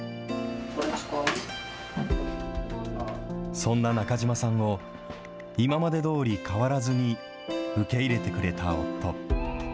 そんな中島さんを、今までどおり変わらずに受け入れてくれた夫。